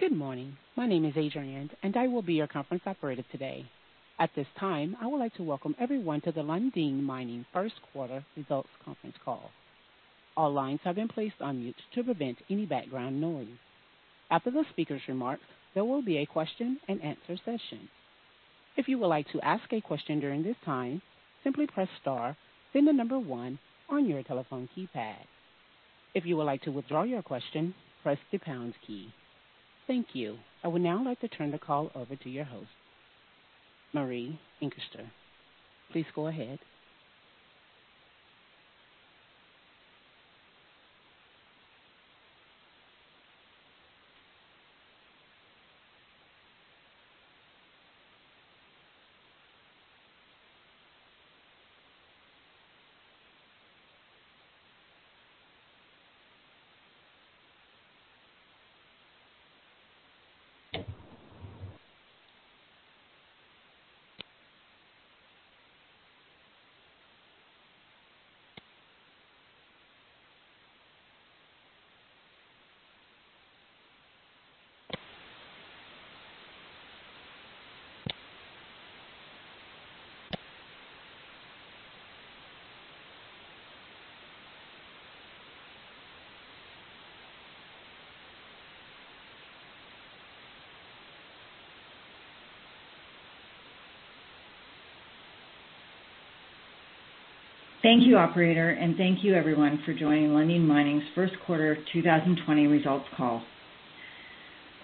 Good morning. My name is Adriana, and I will be your conference operator today. At this time, I would like to welcome everyone to the Lundin Mining First Quarter Results Conference Call. All lines have been placed on mute to prevent any background noise. After the speaker's remarks, there will be a question-and-answer session. If you would like to ask a question during this time, simply press star, then the number one on your telephone keypad. If you would like to withdraw your question, press the pound key. Thank you. I would now like to turn the call over to your host, Marie Inkster. Please go ahead. Thank you, operator, and thank you, everyone, for joining Lundin Mining's First Quarter 2020 Results Call.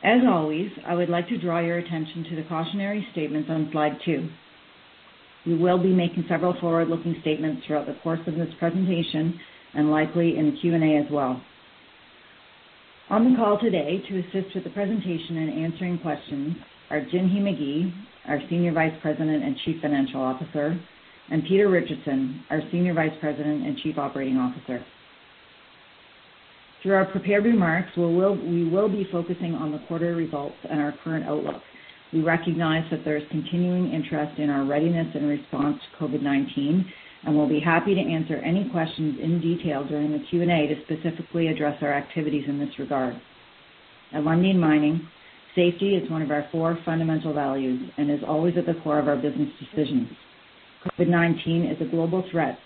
As always, I would like to draw your attention to the cautionary statements on Slide two. We will be making several forward-looking statements throughout the course of this presentation and likely in the Q&A as well. On the call today, to assist with the presentation and answering questions, are Jinhee Magie, our Senior Vice President and Chief Financial Officer, and Peter Richardson, our Senior Vice President and Chief Operating Officer. Through our prepared remarks, we will be focusing on the quarter results and our current outlook. We recognize that there is continuing interest in our readiness and response to COVID-19, and we'll be happy to answer any questions in detail during the Q&A to specifically address our activities in this regard. At Lundin Mining, safety is one of our four fundamental values and is always at the core of our business decisions. COVID-19 is a global threat,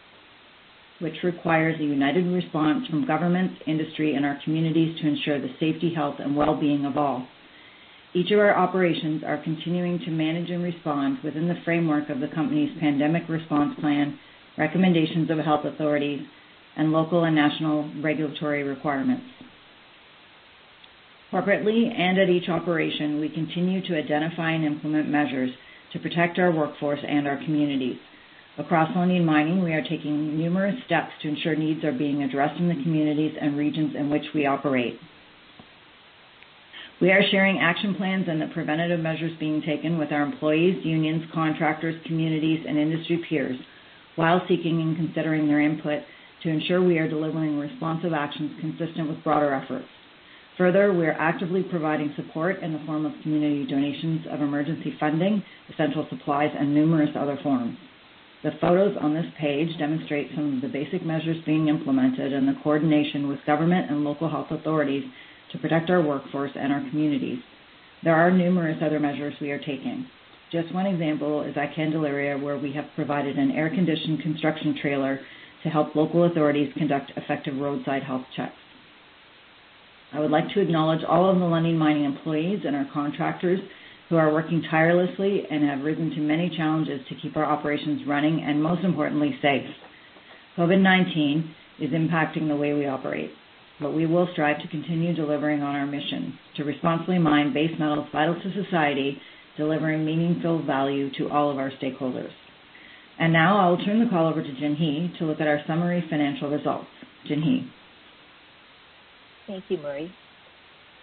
which requires a united response from governments, industry, and our communities to ensure the safety, health, and well-being of all. Each of our operations is continuing to manage and respond within the framework of the company's pandemic response plan, recommendations of health authorities, and local and national regulatory requirements. Corporately and at each operation, we continue to identify and implement measures to protect our workforce and our communities. Across Lundin Mining, we are taking numerous steps to ensure needs are being addressed in the communities and regions in which we operate. We are sharing action plans and the preventative measures being taken with our employees, unions, contractors, communities, and industry peers while seeking and considering their input to ensure we are delivering responsive actions consistent with broader efforts. Further, we are actively providing support in the form of community donations of emergency funding, essential supplies, and numerous other forms. The photos on this page demonstrate some of the basic measures being implemented and the coordination with government and local health authorities to protect our workforce and our communities. There are numerous other measures we are taking. Just one example is at Candelaria, where we have provided an air-conditioned construction trailer to help local authorities conduct effective roadside health checks. I would like to acknowledge all of the Lundin Mining employees and our contractors who are working tirelessly and have risen to many challenges to keep our operations running and, most importantly, safe. COVID-19 is impacting the way we operate, but we will strive to continue delivering on our mission to responsibly mine base metals vital to society, delivering meaningful value to all of our stakeholders. Now I'll turn the call over to Jinhee to look at our summary financial results. Jinhee. Thank you, Marie.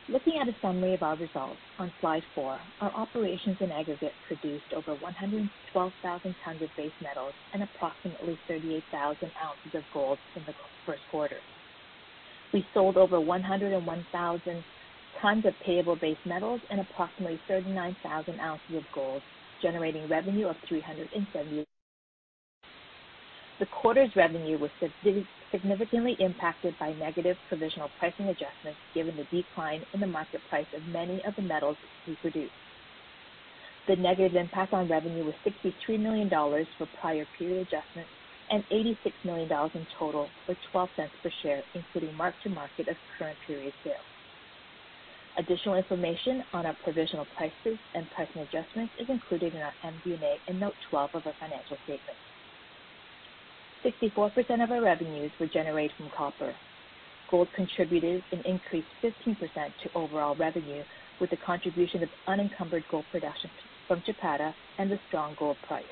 Looking at a summary of our results, on Slide four, our operations in aggregate produced over 112,000 tonnes of base metals and approximately 38,000 ounces of gold in the first quarter. We sold over 101,000 tons of payable base metals and approximately 39,000 ounces of gold, generating revenue of $378 million. The quarter's revenue was significantly impacted by negative provisional pricing adjustments given the decline in the market price of many of the metals we produced. The negative impact on revenue was $63 million for prior period adjustments and $86 million in total for $0.12 per share, including mark-to-market of current period sales. Additional information on our provisional prices and pricing adjustments is included in our MD&A in note 12 of our financial statement. 64% of our revenues were generated from copper. Gold contributed an increased 15% to overall revenue with the contribution of unencumbered gold production from Chapada and the strong gold price.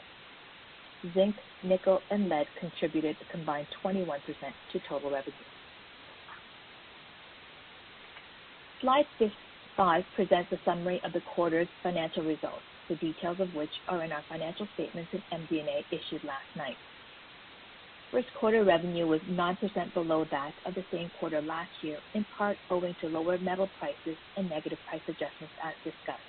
Zinc, nickel, and lead contributed a combined 21% to total revenue. Slide five presents a summary of the quarter's financial results, the details of which are in our financial statements and MD&A issued last night. First quarter revenue was 9% below that of the same quarter last year, in part owing to lower metal prices and negative price adjustments as discussed.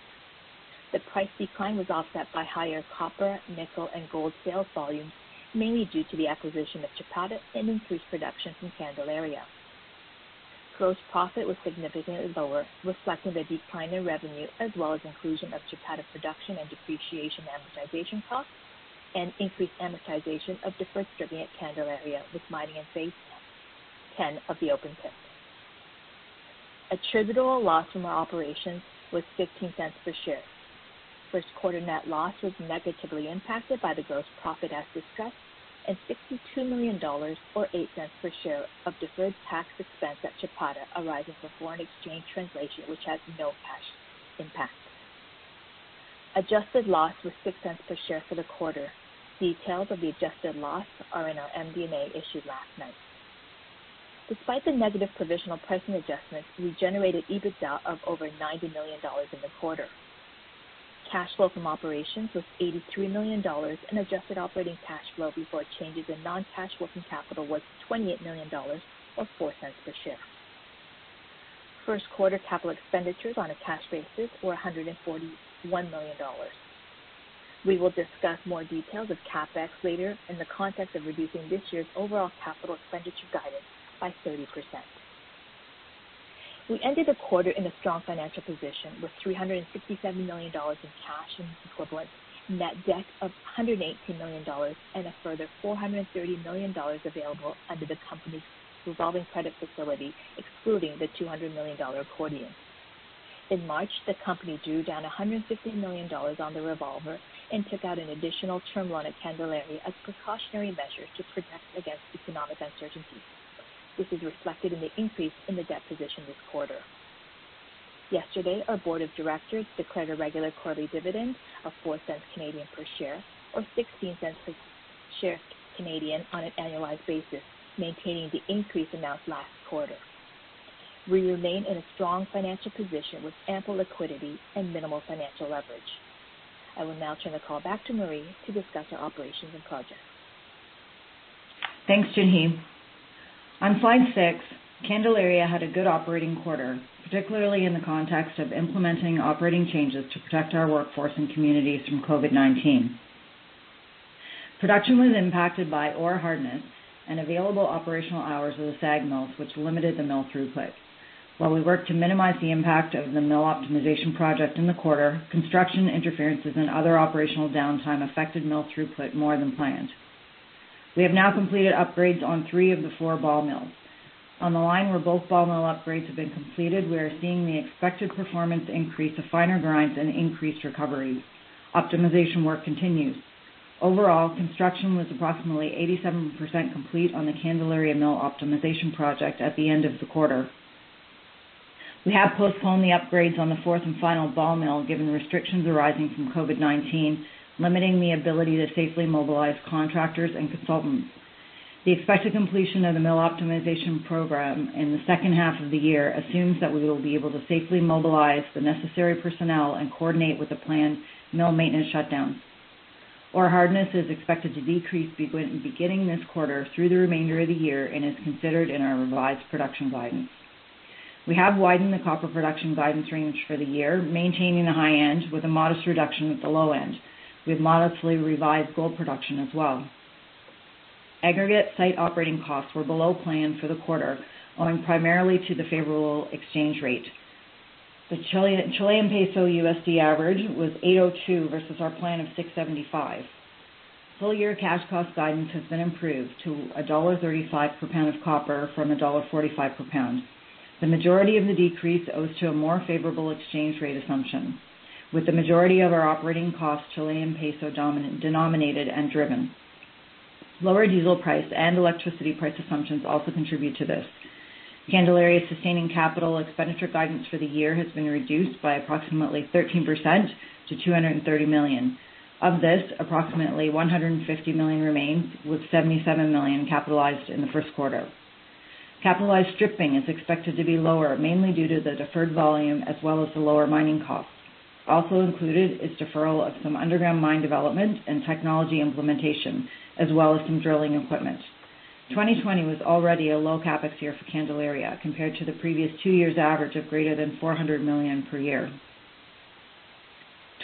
The price decline was offset by higher copper, nickel, and gold sales volumes, mainly due to the acquisition of Chapada and increased production from Candelaria. Gross profit was significantly lower, reflecting the decline in revenue as well as inclusion of Chapada production and depreciation amortization costs and increased amortization of deferred stripping at Candelaria with mining in Phase 10 of the open pit. Attributable loss from our operations was $0.15 per share. First quarter net loss was negatively impacted by the gross profit as discussed and $62 million or $0.08 per share of deferred tax expense at Chapada arising from foreign exchange translation, which has no cash impact. Adjusted loss was $0.06 per share for the quarter. Details of the adjusted loss are in our MD&A issued last night. Despite the negative provisional pricing adjustments, we generated EBITDA of over $90 million in the quarter. Cash flow from operations was $83 million and adjusted operating cash flow before changes in non-cash working capital was $28 million or $0.04 per share. First quarter capital expenditures on a cash basis were $141 million. We will discuss more details of CapEx later in the context of reducing this year's overall capital expenditure guidance by 30%. We ended the quarter in a strong financial position with $367 million in cash and equivalents, net debt of $118 million, and a further $430 million available under the company's revolving credit facility, excluding the $200 million accordion. In March, the company drew down $150 million on the revolver and took out an additional term loan at Candelaria as precautionary measures to protect against economic uncertainty. This is reflected in the increase in the debt position this quarter. Yesterday, our board of directors declared a regular quarterly dividend of 0.04 per share or 0.16 per share on an annualized basis, maintaining the increase announced last quarter. We remain in a strong financial position with ample liquidity and minimal financial leverage. I will now turn the call back to Marie to discuss our operations and projects. Thanks, Jinhee. On slide six, Candelaria had a good operating quarter, particularly in the context of implementing operating changes to protect our workforce and communities from COVID-19. Production was impacted by ore hardness and available operational hours of the SAG mills, which limited the mill throughput. While we worked to minimize the impact of the mill optimization project in the quarter, construction interferences and other operational downtime affected mill throughput more than planned. We have now completed upgrades on three of the four ball mills. On the line where both ball mill upgrades have been completed, we are seeing the expected performance increase of finer grinds and increased recovery. Optimization work continues. Overall, construction was approximately 87% complete on the Candelaria mill optimization project at the end of the quarter. We have postponed the upgrades on the fourth and final ball mill given restrictions arising from COVID-19, limiting the ability to safely mobilize contractors and consultants. The expected completion of the mill optimization program in the second half of the year assumes that we will be able to safely mobilize the necessary personnel and coordinate with the planned mill maintenance shutdown. Ore hardness is expected to decrease beginning this quarter through the remainder of the year and is considered in our revised production guidance. We have widened the copper production guidance range for the year, maintaining the high end with a modest reduction at the low end. We have modestly revised gold production as well. Aggregate site operating costs were below planned for the quarter, owing primarily to the favorable exchange rate. The Chilean peso USD average was 8.02 versus our plan of 6.75. Full year cash cost guidance has been improved to $1.35 per pound of copper from $1.45 per pound. The majority of the decrease owes to a more favorable exchange rate assumption, with the majority of our operating costs Chilean peso denominated and driven. Lower diesel price and electricity price assumptions also contribute to this. Candelaria's sustaining capital expenditure guidance for the year has been reduced by approximately 13% to $230 million. Of this, approximately $150 million remains with $77 million capitalized in the first quarter. Capitalized stripping is expected to be lower, mainly due to the deferred volume as well as the lower mining costs. Also included is deferral of some underground mine development and technology implementation, as well as some drilling equipment. 2020 was already a low CapEx year for Candelaria compared to the previous two years' average of greater than $400 million per year.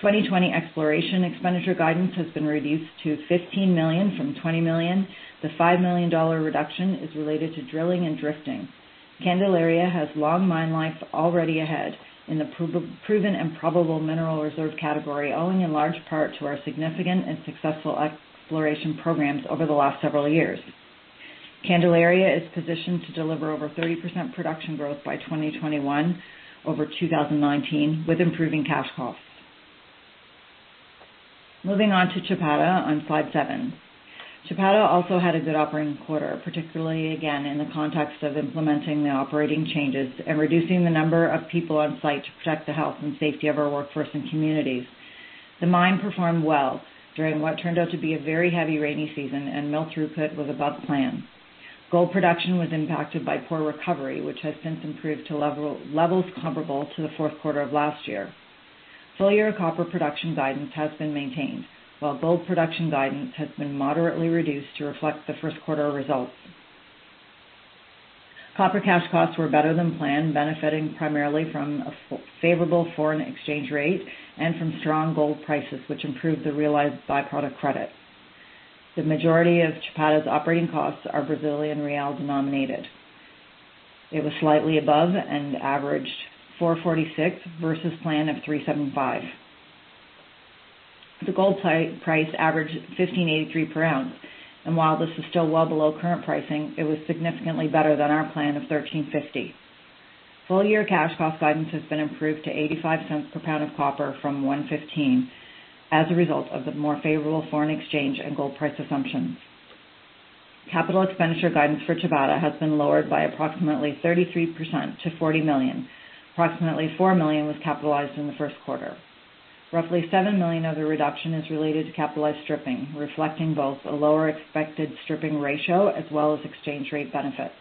2020 exploration expenditure guidance has been reduced to $15 million from $20 million. The $5 million reduction is related to drilling and drifting. Candelaria has long mine life already ahead in the proven and probable mineral reserve category, owing in large part to our significant and successful exploration programs over the last several years. Candelaria is positioned to deliver over 30% production growth by 2021 over 2019 with improving cash costs. Moving on to Chapada on slide seven. Chapada also had a good operating quarter, particularly again in the context of implementing the operating changes and reducing the number of people on-site to protect the health and safety of our workforce and communities. The mine performed well during what turned out to be a very heavy rainy season, and mill throughput was above plan. Gold production was impacted by poor recovery, which has since improved to levels comparable to the fourth quarter of last year. Full year copper production guidance has been maintained, while gold production guidance has been moderately reduced to reflect the first quarter results. Copper cash costs were better than planned, benefiting primarily from a favorable foreign exchange rate and from strong gold prices, which improved the realized byproduct credit. The majority of Chapada's operating costs are Brazilian real denominated. It was slightly above and averaged 4.46 versus plan of 3.75. The gold price averaged $1,583 per ounce, and while this is still well below current pricing, it was significantly better than our plan of $1,350. Full year cash cost guidance has been improved to $0.85 per pound of copper from $1.15 as a result of the more favorable foreign exchange and gold price assumptions. Capital expenditure guidance for Chapada has been lowered by approximately 33% to $40 million. Approximately $4 million was capitalized in the first quarter. Roughly $7 million of the reduction is related to capitalized stripping, reflecting both a lower expected stripping ratio as well as exchange rate benefits.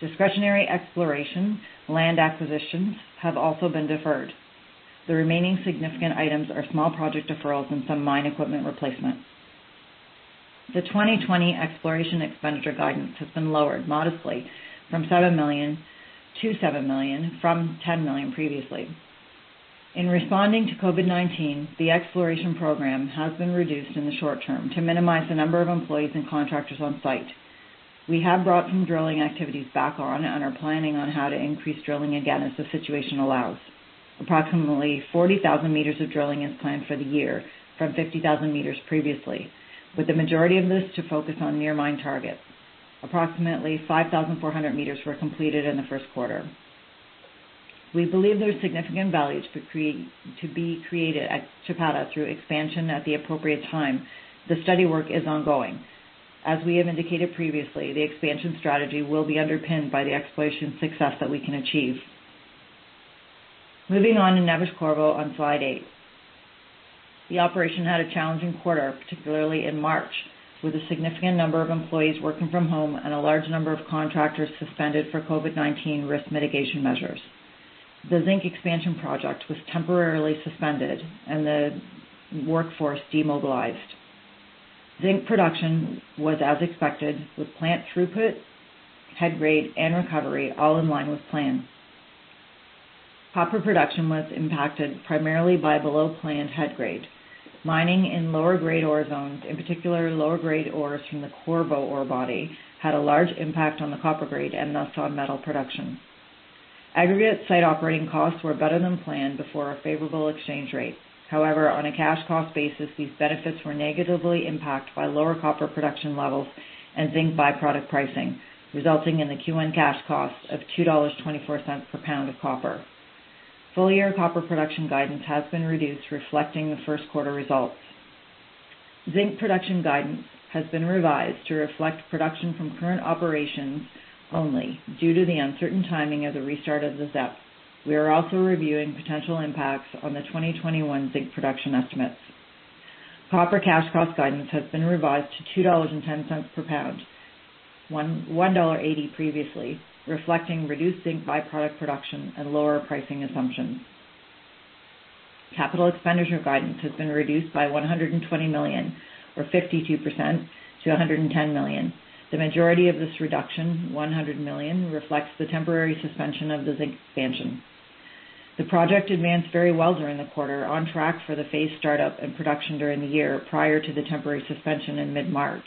Discretionary exploration, land acquisitions have also been deferred. The remaining significant items are small project deferrals and some mine equipment replacement. The 2020 exploration expenditure guidance has been lowered modestly to $7 million-to $7 million from $10 million previously. In responding to COVID-19, the exploration program has been reduced in the short-term to minimize the number of employees and contractors on site. We have brought some drilling activities back on and are planning on how to increase drilling again as the situation allows. Approximately 40,000 meters of drilling is planned for the year from 50,000 meters previously, with the majority of this to focus on near mine targets. Approximately 5,400 meters were completed in the first quarter. We believe there's significant value to be created at Chapada through expansion at the appropriate time. The study work is ongoing. As we have indicated previously, the expansion strategy will be underpinned by the exploration success that we can achieve. Moving on to Neves-Corvo on slide eight. The operation had a challenging quarter, particularly in March, with a significant number of employees working from home and a large number of contractors suspended for COVID-19 risk mitigation measures. The Zinc Expansion Project was temporarily suspended and the workforce demobilized. Zinc production was as expected, with plant throughput, head grade, and recovery all in line with plan. Copper production was impacted primarily by below planned head grade. Mining in lower-grade ore zones, in particular lower grade ores from the Corvo ore body, had a large impact on the copper grade and thus on metal production. Aggregate site operating costs were better than planned before a favorable exchange rate. However, on a cash cost basis, these benefits were negatively impacted by lower copper production levels and zinc by-product pricing, resulting in the Q1 cash cost of $2.24 per pound of copper. Full year copper production guidance has been reduced, reflecting the first quarter results. Zinc production guidance has been revised to reflect production from current operations only due to the uncertain timing of the restart of the ZEP. We are also reviewing potential impacts on the 2021 zinc production estimates. Copper cash cost guidance has been revised to $2.10 per pound, $1.80 previously, reflecting reduced zinc byproduct production and lower pricing assumptions. Capital expenditure guidance has been reduced by $120 million or 52% to $110 million. The majority of this reduction, $100 million, reflects the temporary suspension of the zinc expansion. The project advanced very well during the quarter, on track for the phase startup and production during the year prior to the temporary suspension in mid-March.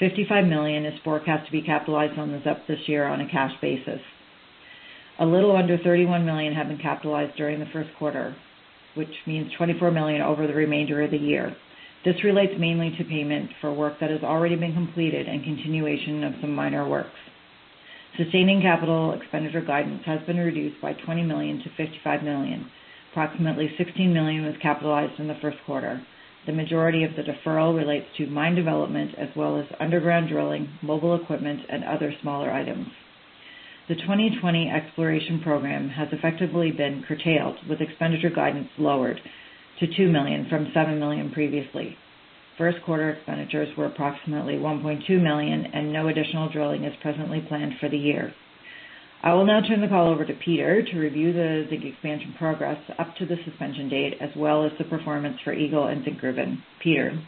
$55 million is forecast to be capitalized on the ZEP this year on a cash basis. A little under $31 million have been capitalized during the first quarter, which means $24 million over the remainder of the year. This relates mainly to payment for work that has already been completed and continuation of some minor works. Sustaining capital expenditure guidance has been reduced by $20 million to $55 million. Approximately $16 million was capitalized in the first quarter. The majority of the deferral relates to mine development as well as underground drilling, mobile equipment, and other smaller items. The 2020 exploration program has effectively been curtailed, with expenditure guidance lowered to $2 million from $7 million previously. First quarter expenditures were approximately $1.2 million and no additional drilling is presently planned for the year. I will now turn the call over to Peter to review the zinc expansion progress up to the suspension date, as well as the performance for Eagle and Zinkgruvan. Peter.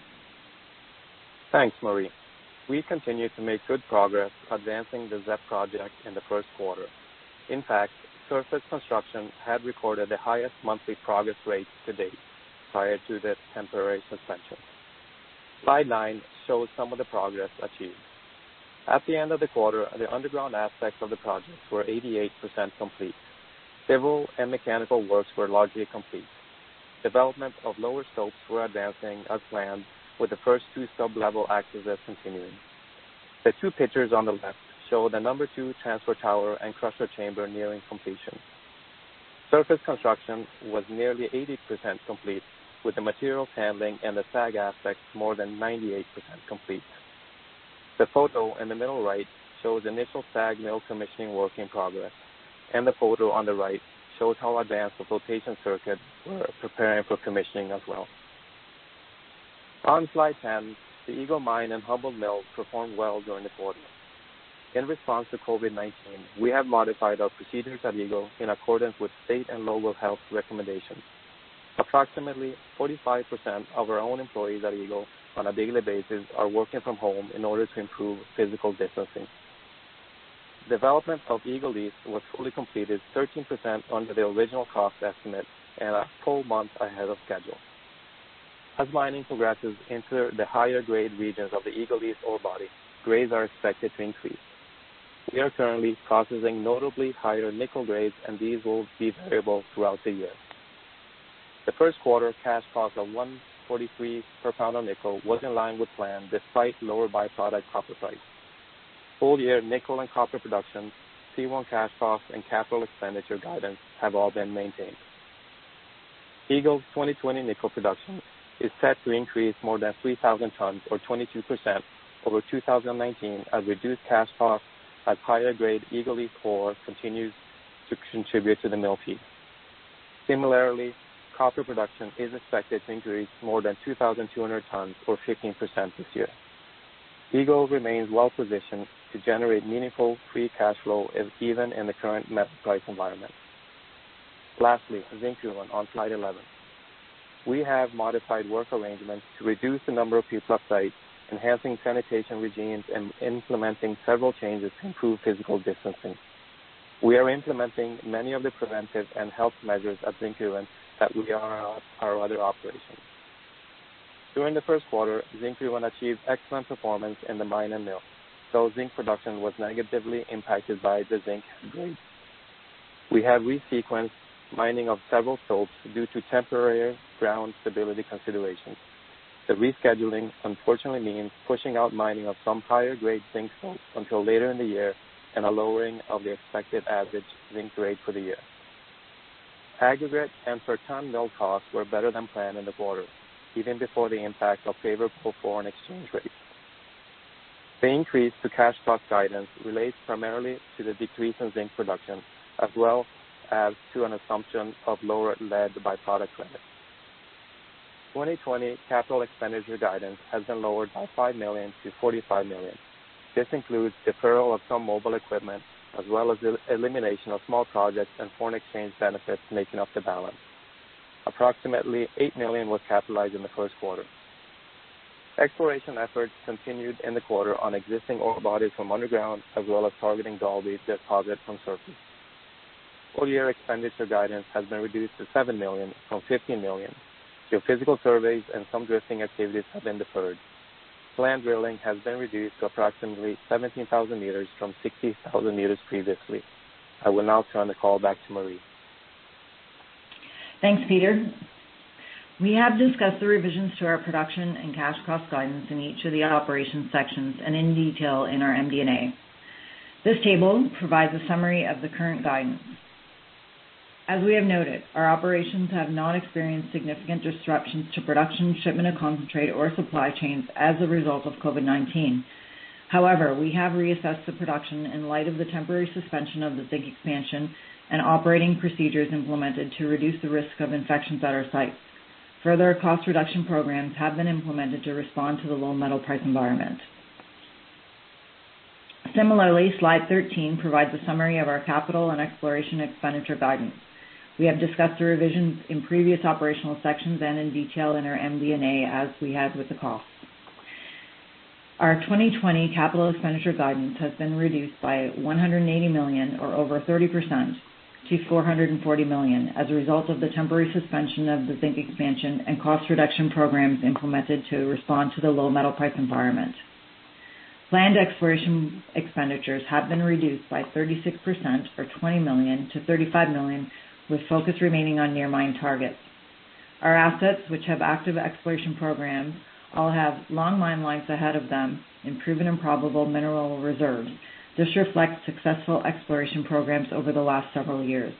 Thanks, Marie. We continue to make good progress advancing the ZEP project in the first quarter. In fact, surface construction had recorded the highest monthly progress rate to date prior to the temporary suspension. Slide nine shows some of the progress achieved. At the end of the quarter, the underground aspects of the project were 88% complete. Civil and mechanical works were largely complete. Development of lower slopes were advancing as planned, with the first two sub-level accesses continuing. The two pictures on the left show the number two transfer tower and crusher chamber nearing completion. Surface construction was nearly 80% complete, with the materials handling and the SAG aspects more than 98% complete. The photo in the middle right shows initial SAG mill commissioning work in progress, and the photo on the right shows how advanced the flotation circuits were preparing for commissioning as well. On slide 10, the Eagle Mine and Humboldt Mills performed well during the quarter. In response to COVID-19, we have modified our procedures at Eagle in accordance with state and local health recommendations. Approximately 45% of our own employees at Eagle on a daily basis are working from home in order to improve physical distancing. Development of Eagle East was fully completed 13% under the original cost estimate and a full month ahead of schedule. As mining progresses into the higher grade regions of the Eagle East ore body, grades are expected to increase. We are currently processing notably higher nickel grades, and these will be variable throughout the year. The first quarter cash cost of $1.43 per pound of nickel was in line with plan despite lower byproduct copper price. Full year nickel and copper production, C1 cash costs, and capital expenditure guidance have all been maintained. Eagle's 2020 nickel production is set to increase more than 3,000 tons or 22% over 2019 as reduced cash costs as higher-grade Eagle East ore continues to contribute to the mill feed. Similarly, copper production is expected to increase more than 2,200 tons or 15% this year. Eagle remains well positioned to generate meaningful free cash flow even in the current metal price environment. Lastly, Zinkgruvan on slide 11. We have modified work arrangements to reduce the number of people on site, enhancing sanitation regimes and implementing several changes to improve physical distancing. We are implementing many of the preventive and health measures at Zinkgruvan that we are on our other operations. During the first quarter, Zinkgruvan achieved excellent performance in the mine and mill, though zinc production was negatively impacted by the zinc grade. We have resequenced mining of several slopes due to temporary ground stability considerations. The rescheduling unfortunately means pushing out mining of some higher grade zinc slopes until later in the year and a lowering of the expected average zinc grade for the year. Aggregate and per ton mill costs were better than planned in the quarter, even before the impact of favorable foreign exchange rates. The increase to cash cost guidance relates primarily to the decrease in zinc production as well as to an assumption of lower lead byproduct credit. 2020 capital expenditure guidance has been lowered by $5 million to $45 million. This includes deferral of some mobile equipment as well as the elimination of small projects and foreign exchange benefits making up the balance. Approximately $8 million was capitalized in the first quarter. Exploration efforts continued in the quarter on existing ore bodies from underground as well as targeting Dolby deposit from surface. Full year expenditure guidance has been reduced to $7 million from $15 million. Geophysical surveys and some drifting activities have been deferred. Planned drilling has been reduced to approximately 17,000 meters from 60,000 meters previously. I will now turn the call back to Marie. Thanks, Peter. We have discussed the revisions to our production and cash cost guidance in each of the operation sections and in detail in our MDNA. This table provides a summary of the current guidance. As we have noted, our operations have not experienced significant disruptions to production, shipment of concentrate, or supply chains as a result of COVID-19. However, we have reassessed the production in light of the temporary suspension of the zinc expansion and operating procedures implemented to reduce the risk of infections at our site. Further, cost reduction programs have been implemented to respond to the low metal price environment. Similarly, slide 13 provides a summary of our capital and exploration expenditure guidance. We have discussed the revisions in previous operational sections and in detail in our MDNA as we had with the costs. Our 2020 capital expenditure guidance has been reduced by $180 million or over 30% to $440 million as a result of the temporary suspension of the zinc expansion and cost reduction programs implemented to respond to the low metal price environment. Planned exploration expenditures have been reduced by 36% or $20 million to $35 million, with focus remaining on near mine targets. Our assets, which have active exploration programs, all have long mine lives ahead of them and proven and probable mineral reserves. This reflects successful exploration programs over the last several years.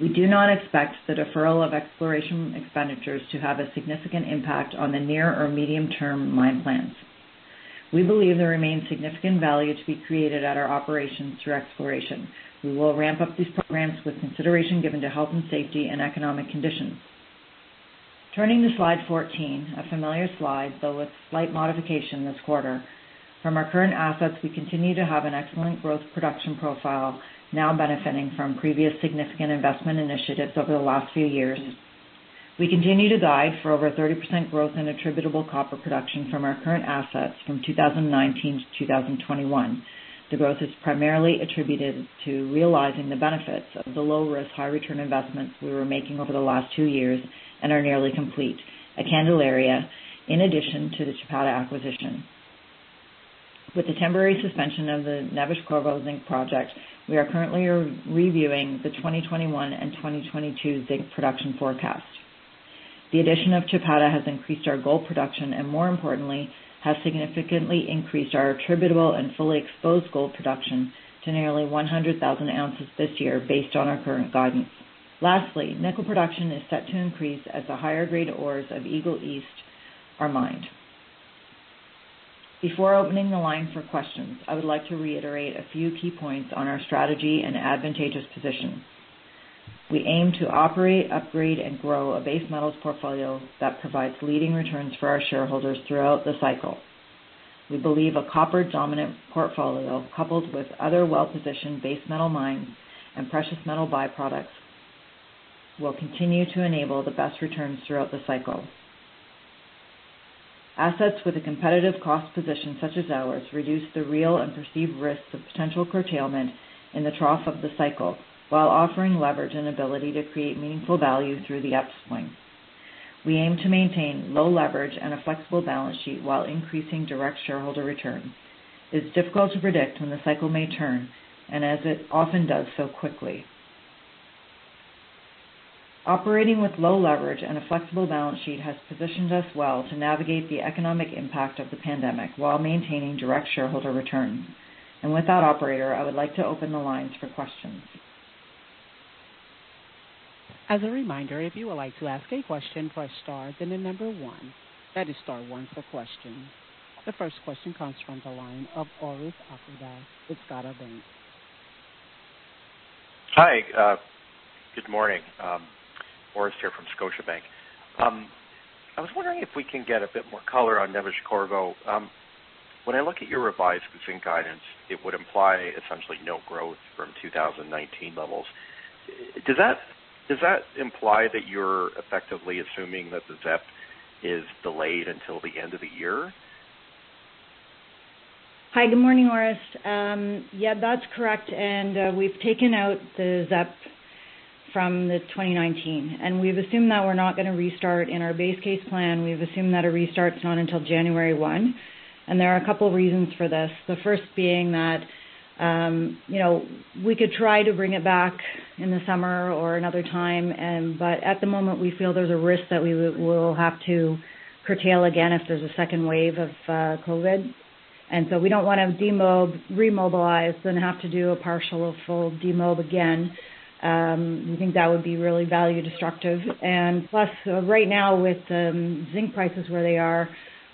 We do not expect the deferral of exploration expenditures to have a significant impact on the near or medium-term mine plans. We believe there remains significant value to be created at our operations through exploration. We will ramp up these programs with consideration given to health and safety and economic conditions. Turning to slide 14, a familiar slide, though with slight modification this quarter. From our current assets, we continue to have an excellent growth production profile, now benefiting from previous significant investment initiatives over the last few years. We continue to guide for over 30% growth in attributable copper production from our current assets from 2019 to 2021. The growth is primarily attributed to realizing the benefits of the low-risk, high-return investments we were making over the last two years and are nearly complete, at Candelaria in addition to the Chapada acquisition. With the temporary suspension of the Neves-Corvo Zinc project, we are currently reviewing the 2021 and 2022 zinc production forecast. The addition of Chapada has increased our gold production and, more importantly, has significantly increased our attributable and fully exposed gold production to nearly 100,000 ounces this year based on our current guidance. Lastly, nickel production is set to increase as the higher grade ores of Eagle East are mined. Before opening the line for questions, I would like to reiterate a few key points on our strategy and advantageous position. We aim to operate, upgrade, and grow a base metals portfolio that provides leading returns for our shareholders throughout the cycle. We believe a copper-dominant portfolio coupled with other well-positioned base metal mines and precious metal byproducts will continue to enable the best returns throughout the cycle. Assets with a competitive cost position such as ours reduce the real and perceived risks of potential curtailment in the trough of the cycle while offering leverage and ability to create meaningful value through the upswing. We aim to maintain low leverage and a flexible balance sheet while increasing direct shareholder return. It's difficult to predict when the cycle may turn, as it often does so quickly. Operating with low leverage and a flexible balance sheet has positioned us well to navigate the economic impact of the pandemic while maintaining direct shareholder returns. With that, operator, I would like to open the lines for questions. As a reminder, if you would like to ask a question, press star then the number one. That is star one for questions. The first question comes from the line of Orest Wowkodaw, Scotiabank. Hi, good morning. Orest here from Scotiabank. I was wondering if we can get a bit more color on Neves-Corvo. When I look at your revised zinc guidance, it would imply essentially no growth from 2019 levels. Does that imply that you're effectively assuming that the ZEP is delayed until the end of the year? Hi, good morning, Orest. Yeah, that's correct. We have taken out the ZEP from the 2019, and we have assumed that we are not going to restart in our base case plan. We have assumed that a restart is not until January 1. There are a couple of reasons for this, the first being that we could try to bring it back in the summer or another time, but at the moment, we feel there is a risk that we will have to curtail again if there is a second wave of COVID-19. We do not want to remobilize and have to do a partial or full demob again. We think that would be really value destructive. Plus, right now, with zinc prices where they are,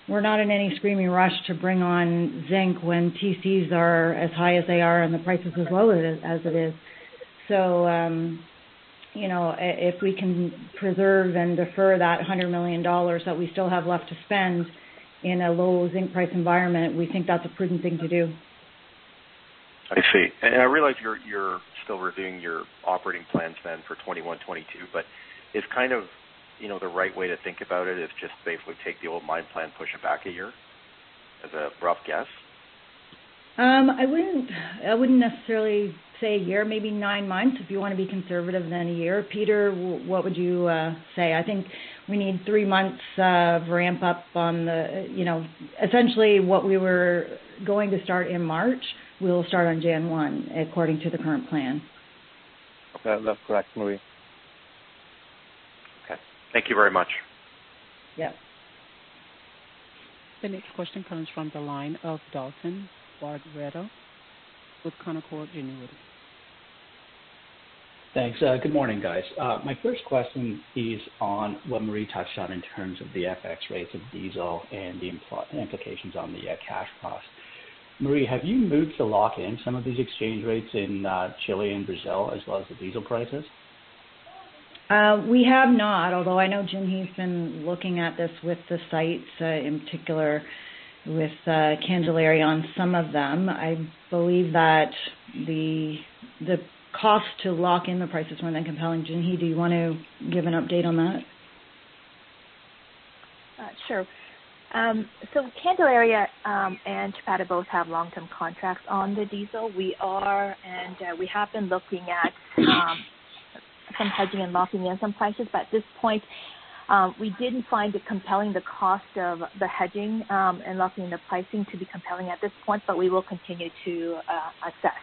we are not in any screaming rush to bring on zinc when TCs are as high as they are and the prices as low as it is. If we can preserve and defer that $100 million that we still have left to spend in a low zinc price environment, we think that's a prudent thing to do. I see. I realize you're still reviewing your operating plans then for 2021 and 2022, but is kind of the right way to think about it just basically take the old mine plan, push it back a year as a rough guess? I wouldn't necessarily say a year, maybe nine months if you want to be conservative than a year. Peter, what would you say? I think we need three months of ramp-up on the essentially what we were going to start in March, we'll start on January 1 according to the current plan. That's correct, Marie. Okay. Thank you very much. Yep. The next question comes from the line of Dalton Baretto with RBC Canaccord Genuity. Thanks. Good morning, guys. My first question is on what Marie touched on in terms of the FX rates of diesel and the implications on the cash cost. Marie, have you moved to lock in some of these exchange rates in Chile and Brazil as well as the diesel prices? We have not, although I know Jinhee's been looking at this with the sites, in particular with Candelaria on some of them. I believe that the cost to lock in the prices were not that compelling. Jinhee, do you want to give an update on that? Sure. Candelaria and Chapada both have long-term contracts on the diesel. We are, and we have been looking at some hedging and locking in some prices, but at this point, we did not find it compelling, the cost of the hedging and locking in the pricing to be compelling at this point, but we will continue to assess.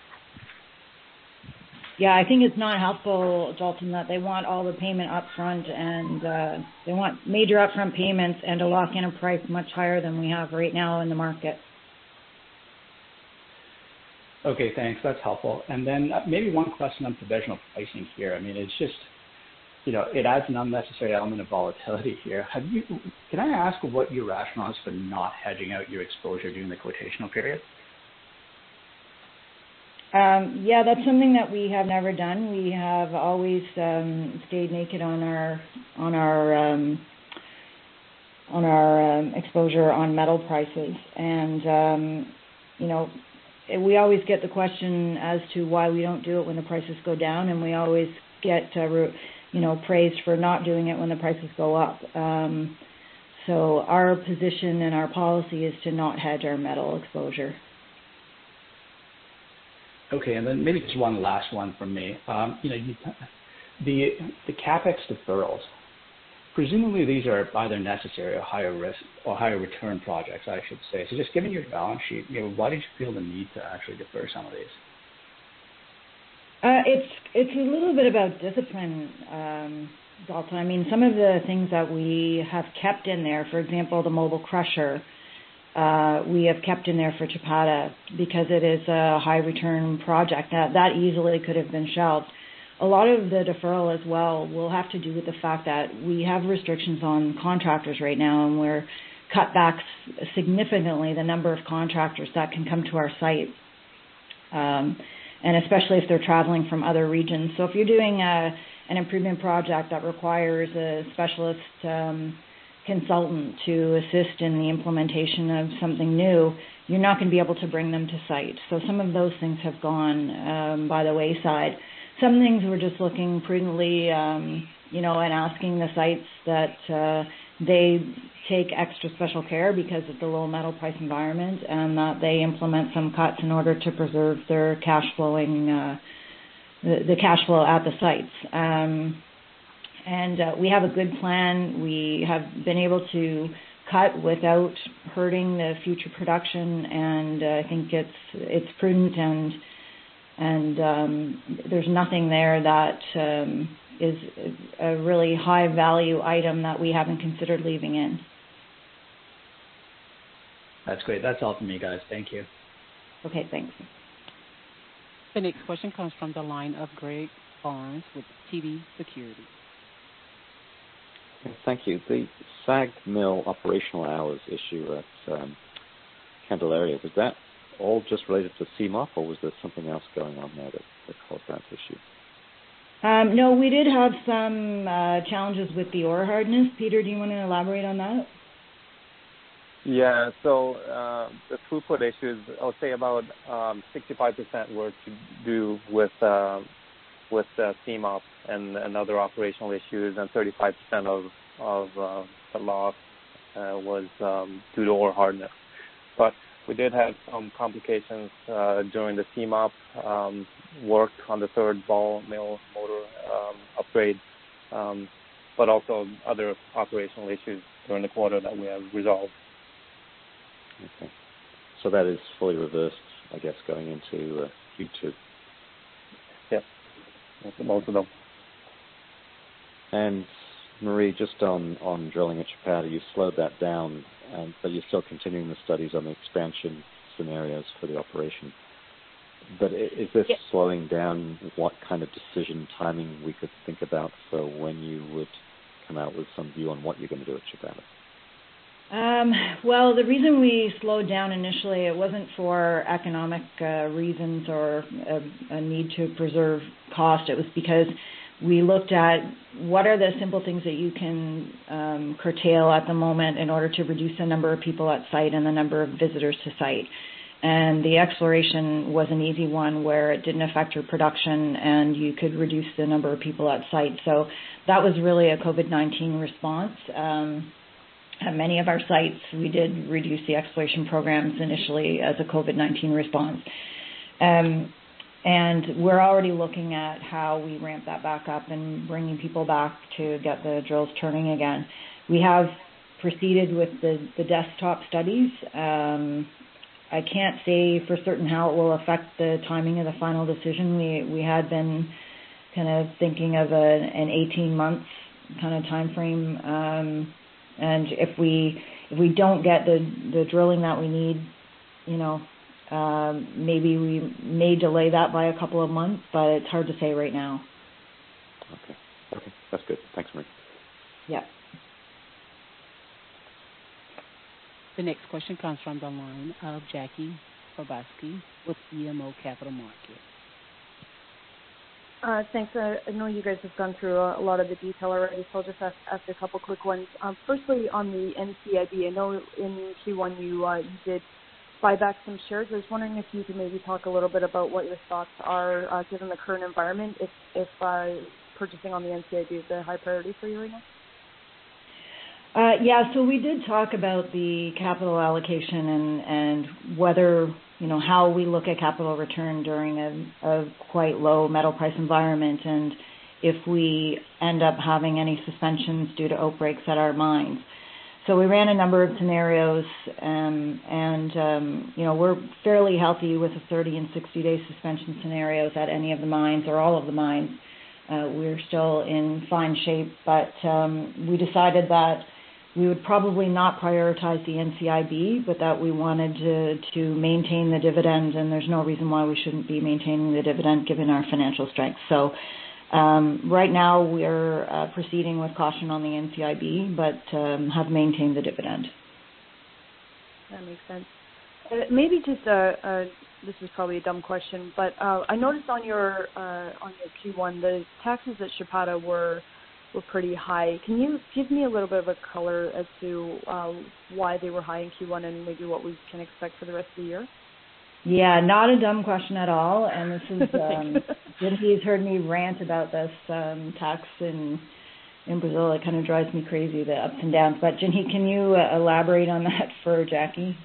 Yeah, I think it's not helpful, Dalton, that they want all the payment upfront and they want major upfront payments and a lock-in price much higher than we have right now in the market. Okay, thanks. That's helpful. Maybe one question on provisional pricing here. I mean, it adds an unnecessary element of volatility here. Can I ask what your rationale is for not hedging out your exposure during the quotational period? Yeah, that's something that we have never done. We have always stayed naked on our exposure on metal prices. We always get the question as to why we don't do it when the prices go down, and we always get praised for not doing it when the prices go up. Our position and our policy is to not hedge our metal exposure. Okay. Maybe just one last one from me. The CapEx deferrals, presumably these are either necessary or higher risk or higher return projects, I should say. Just given your balance sheet, why did you feel the need to actually defer some of these? It's a little bit about discipline, Dalton. I mean, some of the things that we have kept in there, for example, the mobile crusher, we have kept in there for Chapada because it is a high-return project that easily could have been shelved. A lot of the deferral as well will have to do with the fact that we have restrictions on contractors right now, and we've cut back significantly the number of contractors that can come to our sites, especially if they're traveling from other regions. If you're doing an improvement project that requires a specialist consultant to assist in the implementation of something new, you're not going to be able to bring them to site. Some of those things have gone by the wayside. Some things we're just looking prudently and asking the sites that they take extra special care because of the low metal price environment and that they implement some cuts in order to preserve their cash flowing, the cash flow at the sites. We have a good plan. We have been able to cut without hurting the future production, and I think it's prudent, and there's nothing there that is a really high-value item that we haven't considered leaving in. That's great. That's all from me, guys. Thank you. Okay, thanks. The next question comes from the line of Greg Barnes with TD Securities. Thank you. The SAG mill operational hours issue at Candelaria, was that all just related to CMOF, or was there something else going on there that caused that issue? No, we did have some challenges with the ore hardness. Peter, do you want to elaborate on that? Yeah. The throughput issues, I'll say about 65% were to do with CMOF and other operational issues, and 35% of the loss was due to ore hardness. We did have some complications during the CMOF work on the third ball mill motor upgrade, but also other operational issues during the quarter that we have resolved. Okay. So that is fully reversed, I guess, going into Q2. Yep. Most of them. Marie, just on drilling at Chapada, you slowed that down, but you're still continuing the studies on the expansion scenarios for the operation. Is this slowing down what kind of decision timing we could think about for when you would come out with some view on what you're going to do at Chapada? The reason we slowed down initially, it wasn't for economic reasons or a need to preserve cost. It was because we looked at what are the simple things that you can curtail at the moment in order to reduce the number of people at site and the number of visitors to site. The exploration was an easy one where it didn't affect your production, and you could reduce the number of people at site. That was really a COVID-19 response. At many of our sites, we did reduce the exploration programs initially as a COVID-19 response. We're already looking at how we ramp that back up and bringing people back to get the drills turning again. We have proceeded with the desktop studies. I can't say for certain how it will affect the timing of the final decision. We had been kind of thinking of an 18-month kind of time frame. If we don't get the drilling that we need, maybe we may delay that by a couple of months, but it's hard to say right now. Okay. Okay. That's good. Thanks, Marie. Yep. The next question comes from the line of Jackie Przybylowski with BMO Capital Markets. Thanks. I know you guys have gone through a lot of the detail already. I'll just ask a couple of quick ones. Firstly, on the NCIB, I know in Q1 you did buy back some shares. I was wondering if you could maybe talk a little bit about what your thoughts are given the current environment, if purchasing on the NCIB is a high priority for you right now. Yeah. We did talk about the capital allocation and how we look at capital return during a quite low metal price environment and if we end up having any suspensions due to outbreaks at our mines. We ran a number of scenarios, and we're fairly healthy with a 30- and 60-day suspension scenario at any of the mines or all of the mines. We're still in fine shape, but we decided that we would probably not prioritize the NCIB, but that we wanted to maintain the dividend, and there's no reason why we shouldn't be maintaining the dividend given our financial strength. Right now, we're proceeding with caution on the NCIB, but have maintained the dividend. That makes sense. Maybe just a—this is probably a dumb question—but I noticed on your Q1, the taxes at Chapada were pretty high. Can you give me a little bit of a color as to why they were high in Q1 and maybe what we can expect for the rest of the year? Yeah. Not a dumb question at all. Jinhee's heard me rant about this tax in Brazil. It kind of drives me crazy, the ups and downs. Jinhee, can you elaborate on that for Jackie?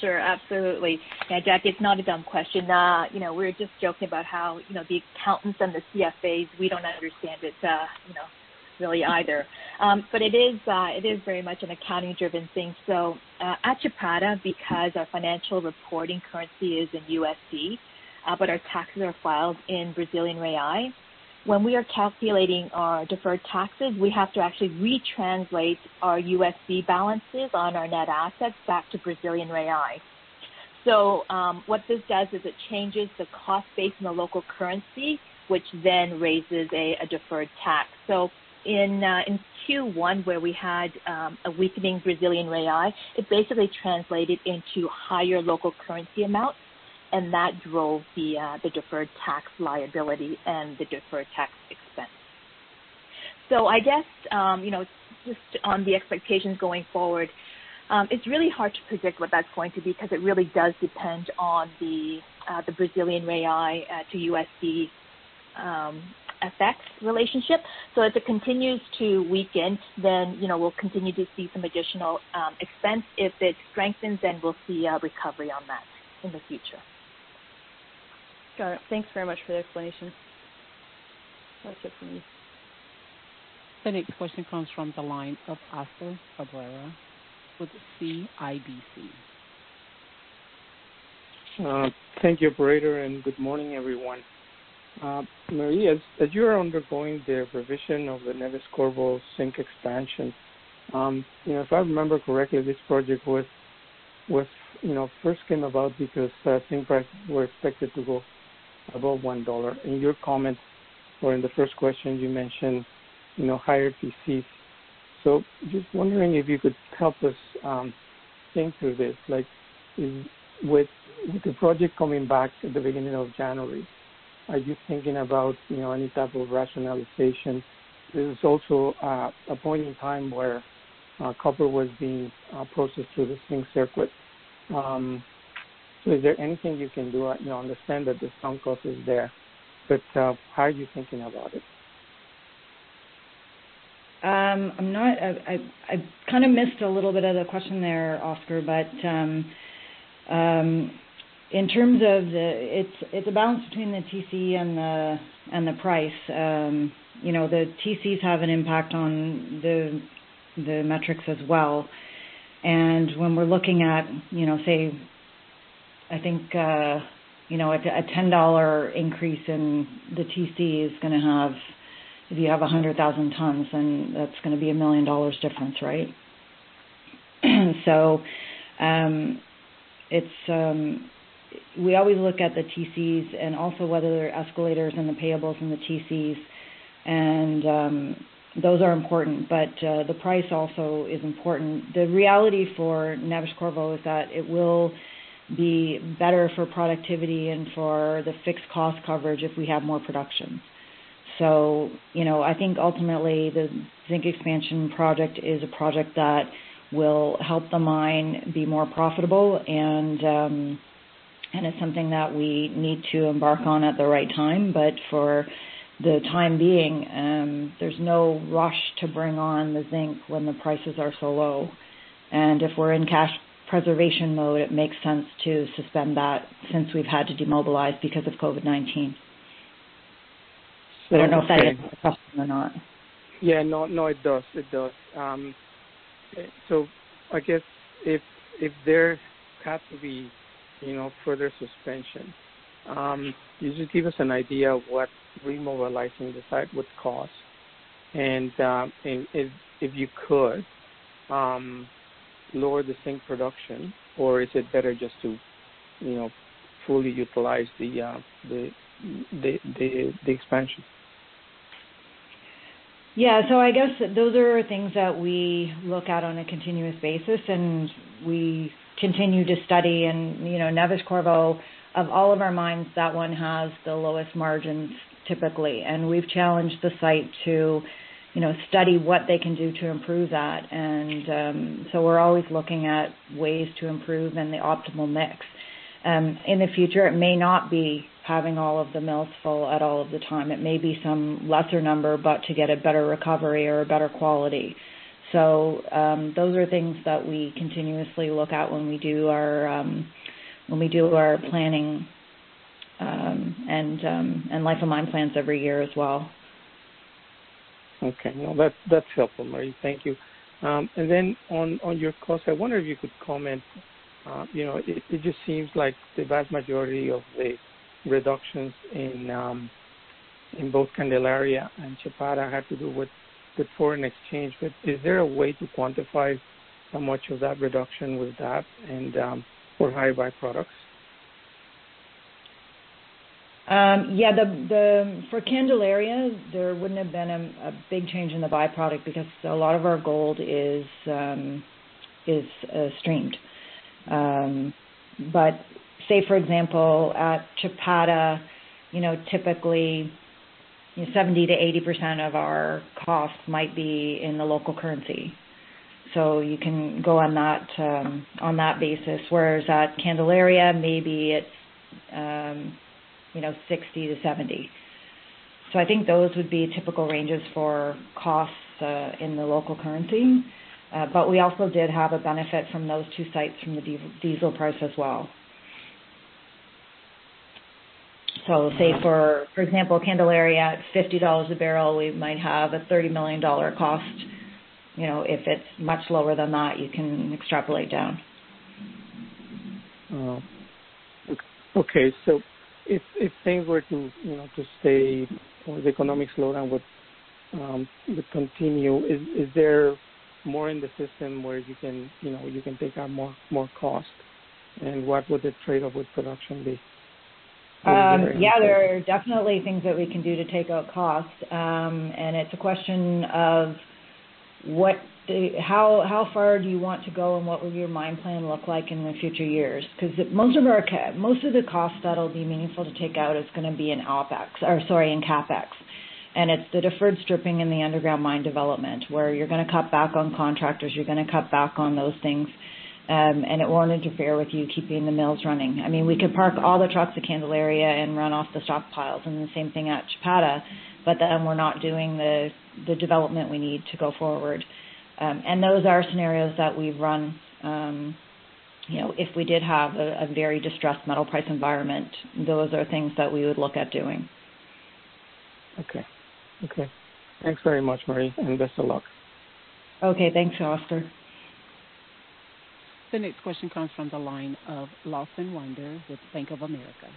Sure. Absolutely. Yeah, Jackie, it's not a dumb question. We were just joking about how the accountants and the CSAs, we don't understand it really either. It is very much an accounting-driven thing. At Chapada, because our financial reporting currency is in USD, but our taxes are filed in Brazilian real, when we are calculating our deferred taxes, we have to actually retranslate our USD balances on our net assets back to Brazilian real. What this does is it changes the cost base in the local currency, which then raises a deferred tax. In Q1, where we had a weakening Brazilian real, it basically translated into higher local currency amounts, and that drove the deferred tax liability and the deferred tax expense. I guess just on the expectations going forward, it's really hard to predict what that's going to be because it really does depend on the Brazilian real to USD FX relationship. If it continues to weaken, then we'll continue to see some additional expense. If it strengthens, then we'll see a recovery on that in the future. Got it. Thanks very much for the explanation. That's it from me. The next question comes from the line of Oscar Cabrera with CIBC. Thank you, Barriault, and good morning, everyone. Marie, as you are undergoing the revision of the Neves-Corvo zinc expansion, if I remember correctly, this project first came about because zinc prices were expected to go above $1. In your comments or in the first question, you mentioned higher TCs. Just wondering if you could help us think through this. With the project coming back at the beginning of January, are you thinking about any type of rationalization? There is also a point in time where copper was being processed through the zinc circuit. Is there anything you can do to understand that the sunk cost is there? How are you thinking about it? I kind of missed a little bit of the question there, Oscar, but in terms of the—it is a balance between the TC and the price. The TCs have an impact on the metrics as well. When we are looking at, say, I think a $10 increase in the TC is going to have—if you have 100,000 tons, then that is going to be a million dollars difference, right? We always look at the TCs and also whether there are escalators and the payables and the TCs, and those are important, but the price also is important. The reality for Neves-Corvo is that it will be better for productivity and for the fixed cost coverage if we have more production. I think ultimately, the zinc expansion project is a project that will help the mine be more profitable, and it's something that we need to embark on at the right time. For the time being, there's no rush to bring on the zinc when the prices are so low. If we're in cash preservation mode, it makes sense to suspend that since we've had to demobilize because of COVID-19. I don't know if that answers your question or not. Yeah. No, it does. It does. I guess if there had to be further suspension, you just give us an idea of what remobilizing the site would cost. If you could, lower the zinc production, or is it better just to fully utilize the expansion? Yeah. Those are things that we look at on a continuous basis, and we continue to study. Neves-Corvo, of all of our mines, that one has the lowest margins typically. We have challenged the site to study what they can do to improve that. We are always looking at ways to improve and the optimal mix. In the future, it may not be having all of the mills full at all of the time. It may be some lesser number, but to get a better recovery or a better quality. Those are things that we continuously look at when we do our planning and life of mine plans every year as well. Okay. That is helpful, Marie. Thank you. Then on your cost, I wonder if you could comment. It just seems like the vast majority of the reductions in both Candelaria and Chapada had to do with foreign exchange. Is there a way to quantify how much of that reduction was that for higher by-products? Yeah. For Candelaria, there would not have been a big change in the byproduct because a lot of our gold is streamed. But say, for example, at Chapada, typically 70-80% of our cost might be in the local currency. You can go on that basis. Whereas at Candelaria, maybe it is 60-70%. I think those would be typical ranges for costs in the local currency. We also did have a benefit from those two sites from the diesel price as well. Say, for example, Candelaria, $50 a barrel, we might have a $30 million cost. If it is much lower than that, you can extrapolate down. If things were to stay or the economic slowdown would continue, is there more in the system where you can take out more cost? What would the trade-off with production be? Yeah. There are definitely things that we can do to take out cost. It's a question of how far do you want to go and what will your mine plan look like in the future years? Because most of the cost that'll be meaningful to take out is going to be in OpEx or sorry, in CapEx. It's the deferred stripping in the underground mine development where you're going to cut back on contractors, you're going to cut back on those things, and it won't interfere with you keeping the mills running. I mean, we could park all the trucks at Candelaria and run off the stockpiles, and the same thing at Chapada, but then we're not doing the development we need to go forward. Those are scenarios that we've run. If we did have a very distressed metal price environment, those are things that we would look at doing. Okay. Okay. Thanks very much, Marie. Best of luck. Okay. Thanks, Oscar. The next question comes from the line of Lawson Winder with Bank Of America.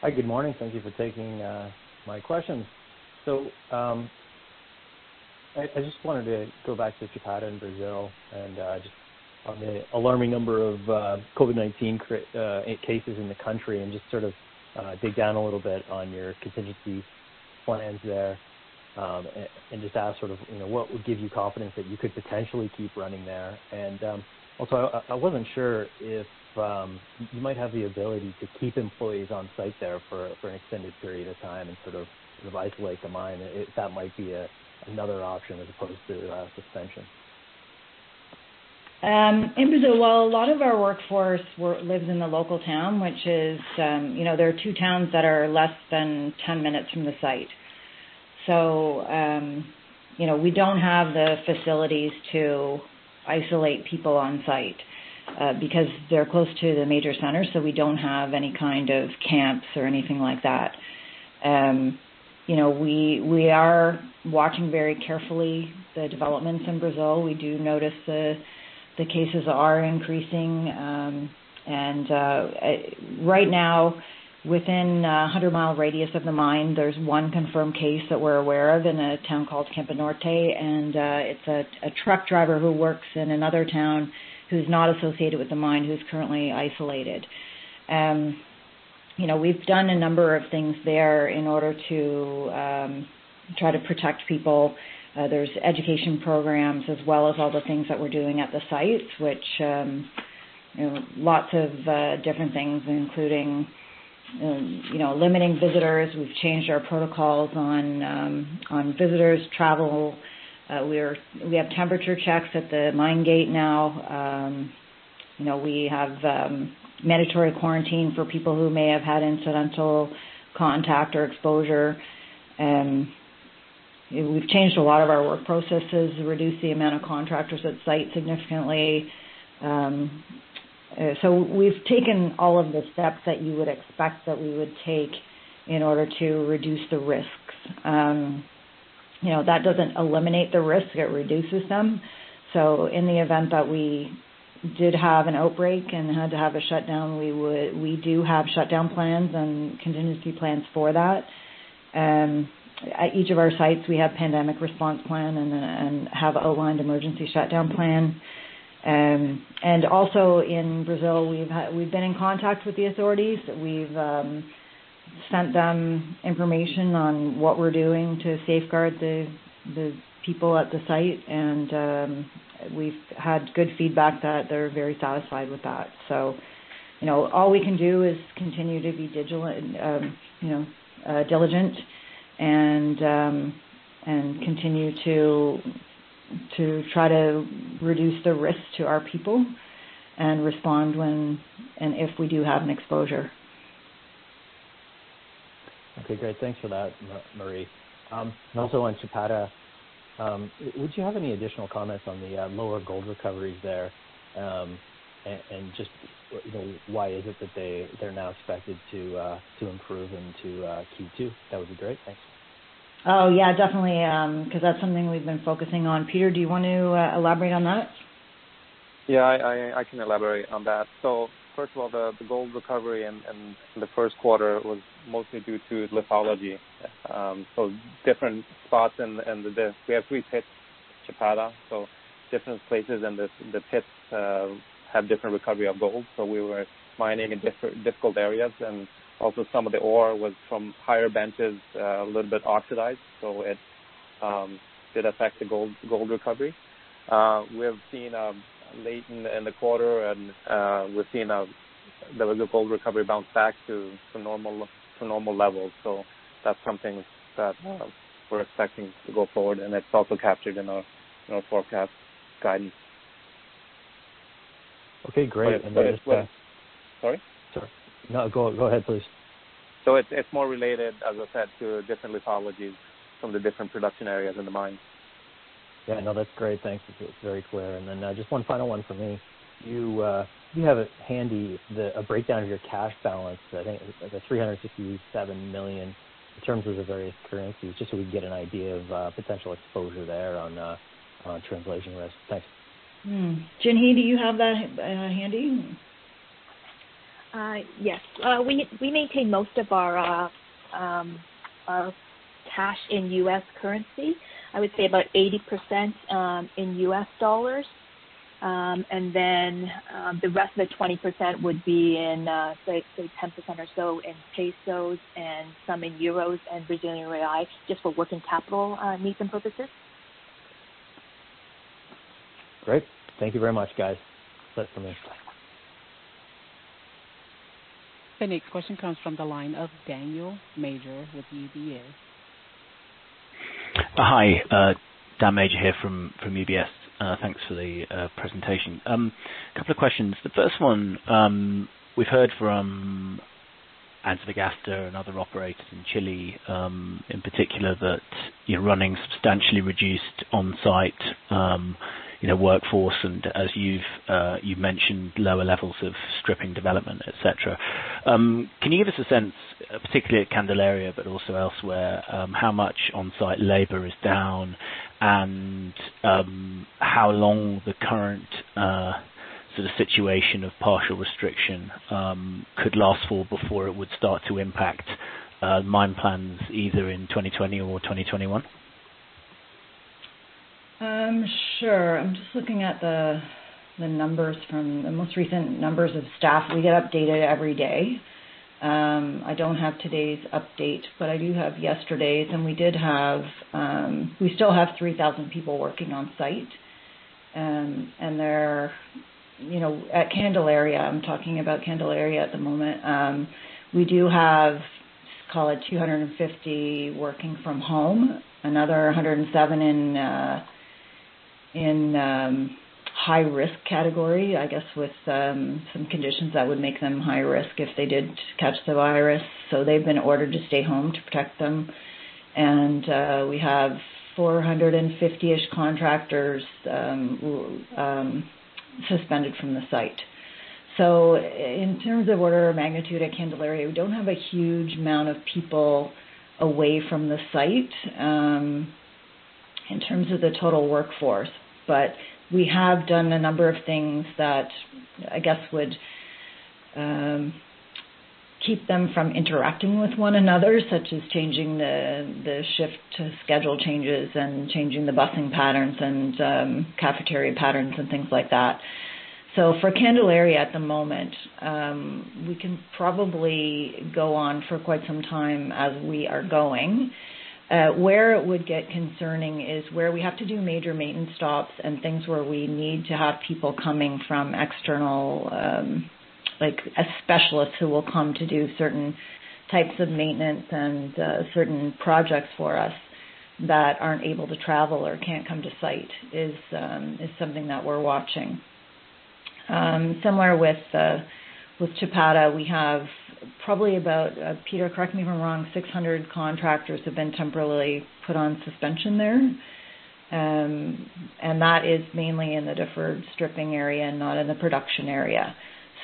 Hi. Good morning. Thank you for taking my questions. I just wanted to go back to Chapada in Brazil and just on the alarming number of COVID-19 cases in the country and just sort of dig down a little bit on your contingency plans there and just ask what would give you confidence that you could potentially keep running there. Also, I wasn't sure if you might have the ability to keep employees on site there for an extended period of time and sort of isolate the mine. That might be another option as opposed to suspension. In Brazil, while a lot of our workforce lives in the local town, which is there are two towns that are less than 10 minutes from the site. We do not have the facilities to isolate people on site because they are close to the major centers, so we do not have any kind of camps or anything like that. We are watching very carefully the developments in Brazil. We do notice the cases are increasing. Right now, within a 100-mile radius of the mine, there is one confirmed case that we are aware of in a town called Campo Norte. It is a truck driver who works in another town who is not associated with the mine who is currently isolated. We have done a number of things there in order to try to protect people. There's education programs as well as all the things that we're doing at the sites, which lots of different things, including limiting visitors. We've changed our protocols on visitors' travel. We have temperature checks at the mine gate now. We have mandatory quarantine for people who may have had incidental contact or exposure. We've changed a lot of our work processes, reduced the amount of contractors at site significantly. We have taken all of the steps that you would expect that we would take in order to reduce the risks. That does not eliminate the risks. It reduces them. In the event that we did have an outbreak and had to have a shutdown, we do have shutdown plans and contingency plans for that. At each of our sites, we have a pandemic response plan and have an outlined emergency shutdown plan. In Brazil, we've been in contact with the authorities. We've sent them information on what we're doing to safeguard the people at the site. We've had good feedback that they're very satisfied with that. All we can do is continue to be diligent and continue to try to reduce the risk to our people and respond when and if we do have an exposure. Okay. Great. Thanks for that, Marie. Also on Chapada, would you have any additional comments on the lower gold recoveries there and just why is it that they're now expected to improve and to keep to? That would be great. Thanks. Oh, yeah. Definitely. Because that's something we've been focusing on. Peter, do you want to elaborate on that? Yeah. I can elaborate on that. First of all, the gold recovery in the first quarter was mostly due to lithology. Different spots in the—we have three pits, Chapada. Different places, and the pits have different recovery of gold. We were mining in difficult areas. Also, some of the ore was from higher benches, a little bit oxidized. It did affect the gold recovery. We have seen late in the quarter, and we've seen the gold recovery bounce back to normal levels. That is something that we're expecting to go forward. It is also captured in our forecast guidance. Okay. Great. Then. Sorry? Sorry. No, go ahead, please. It is more related, as I said, to different lithologies from the different production areas in the mines. Yeah. No, that's great. Thanks. It's very clear. Just one final one from me. You have a handy breakdown of your cash balance, I think, of $367 million in terms of the various currencies, just so we can get an idea of potential exposure there on translation risk. Thanks. Jinhee, do you have that handy? Yes. We maintain most of our cash in U.S. currency. I would say about 80% in U.S. dollars. The rest of the 20% would be in, say, 10% or so in pesos and some in euros and Brazilian reais just for working capital needs and purposes. Great. Thank you very much, guys. That's it from me. The next question comes from the line of Daniel Major with UBS. Hi. Dan Major here from UBS. Thanks for the presentation. A couple of questions. The first one, we've heard from Antofagasta and other operators in Chile in particular that running substantially reduced on-site workforce and, as you've mentioned, lower levels of stripping development, etc. Can you give us a sense, particularly at Candelaria, but also elsewhere, how much on-site labor is down and how long the current sort of situation of partial restriction could last for before it would start to impact mine plans either in 2020 or 2021? Sure. I'm just looking at the numbers from the most recent numbers of staff. We get updated every day. I don't have today's update, but I do have yesterday's. We still have 3,000 people working on-site. At Candelaria, I'm talking about Candelaria at the moment, we do have, call it, 250 working from home, another 107 in high-risk category, I guess, with some conditions that would make them high risk if they did catch the virus. They have been ordered to stay home to protect them. We have 450-ish contractors suspended from the site. In terms of order of magnitude at Candelaria, we don't have a huge amount of people away from the site in terms of the total workforce. We have done a number of things that, I guess, would keep them from interacting with one another, such as changing the shift to schedule changes and changing the busing patterns and cafeteria patterns and things like that. For Candelaria at the moment, we can probably go on for quite some time as we are going. Where it would get concerning is where we have to do major maintenance stops and things where we need to have people coming from external, like a specialist who will come to do certain types of maintenance and certain projects for us that are not able to travel or cannot come to site, which is something that we are watching. Similar with Chapada, we have probably about, Peter, correct me if I am wrong, 600 contractors have been temporarily put on suspension there. That is mainly in the deferred stripping area and not in the production area.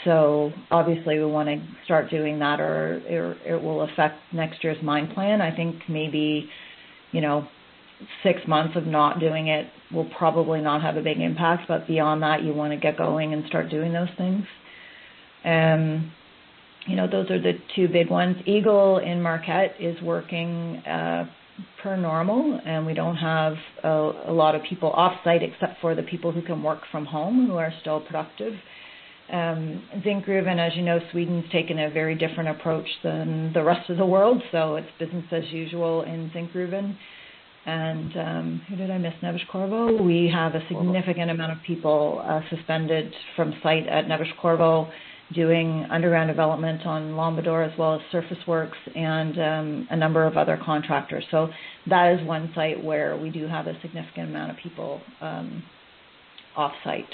Obviously, we want to start doing that or it will affect next year's mine plan. I think maybe six months of not doing it will probably not have a big impact. Beyond that, you want to get going and start doing those things. Those are the two big ones. Eagle in Marquette is working per normal, and we do not have a lot of people off-site except for the people who can work from home who are still productive. Zinkgruvan, as you know, Sweden's taken a very different approach than the rest of the world. It is business as usual in Zinkgruvan. Who did I miss, Neves-Corvo? We have a significant amount of people suspended from site at Neves-Corvo doing underground development on Lombador as well as surface works and a number of other contractors. That is one site where we do have a significant amount of people off-site.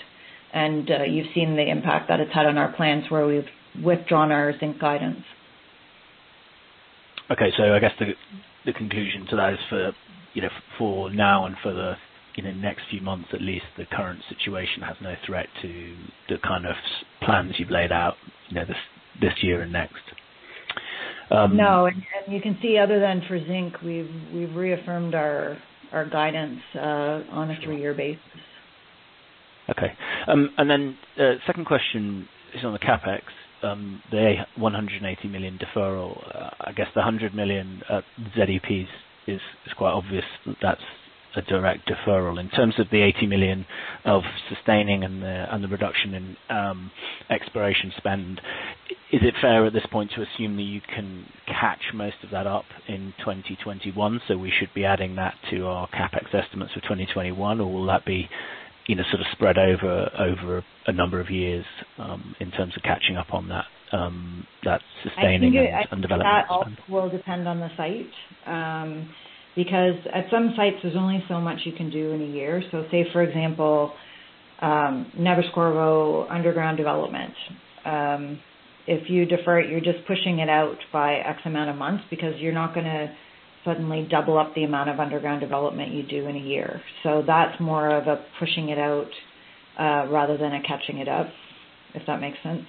You have seen the impact that it has had on our plans where we have withdrawn our zinc guidance. Okay. I guess the conclusion to that is for now and for the next few months, at least, the current situation has no threat to the kind of plans you've laid out this year and next. No. You can see, other than for zinc, we've reaffirmed our guidance on a three-year basis. Okay. The second question is on the CapEx. The $180 million deferral, I guess the $100 million ZEP is quite obvious that that's a direct deferral. In terms of the $80 million of sustaining and the reduction in exploration spend, is it fair at this point to assume that you can catch most of that up in 2021? We should be adding that to our CapEx estimates for 2021, or will that be sort of spread over a number of years in terms of catching up on that sustaining and development send? I think that will depend on the site because at some sites, there's only so much you can do in a year. For example, Neves-Corvo underground development, if you defer it, you're just pushing it out by X amount of months because you're not going to suddenly double up the amount of underground development you do in a year. That's more of a pushing it out rather than a catching it up, if that makes sense.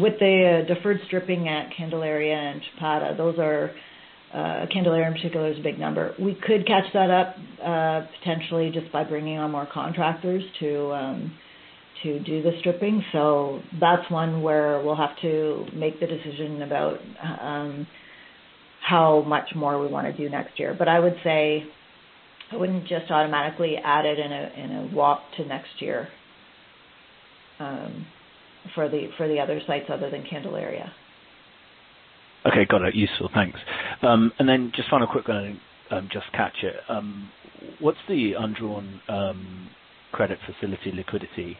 With the deferred stripping at Candelaria and Chapada, Candelaria in particular is a big number. We could catch that up potentially just by bringing on more contractors to do the stripping. That's one where we'll have to make the decision about how much more we want to do next year. I would say I would not just automatically add it in a WAP to next year for the other sites other than Candelaria. Okay. Got it. Useful. Thanks. Just final quick one, just to catch it. What's the undrawn credit facility liquidity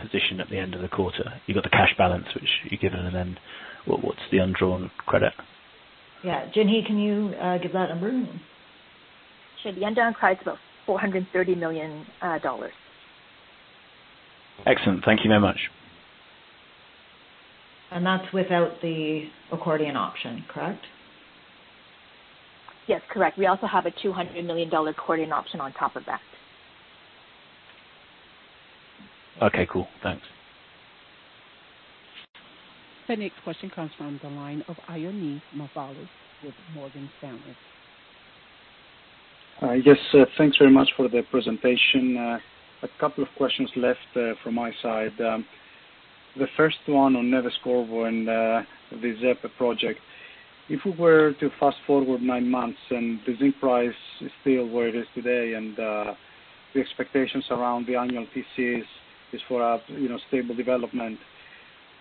position at the end of the quarter? You've got the cash balance, which you're given. What's the undrawn credit? Yeah. Jinhee, can you give that number? Sure. The undrawn credit's about $430 million. Excellent. Thank you very much. That's without the accordion option, correct? Yes. Correct. We also have a $200 million accordion option on top of that. Okay. Cool. Thanks. The next question comes from the line of Ioannis Masvoulas with Morgan Stanley. Yes. Thanks very much for the presentation. A couple of questions left from my side. The first one on Neves-Corvo and the ZEP project. If we were to fast forward nine months and the zinc price is still where it is today and the expectations around the annual TCs is for a stable development,